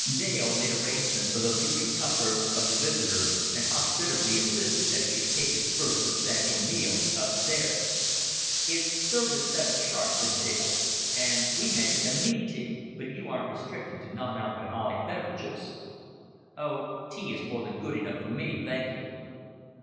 Dale made arrangements for the future comfort of the visitor, and hospitably insisted that he should take his first substantial meal up stairs. "It's served at seven sharp," said Dale; "and we make it a meat tea; but you aren't restricted to non alcolic bev'rages." "Oh, tea is more than good enough for me, thank you."